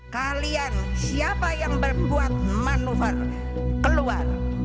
kalian siapa yang berbuat manuver keluar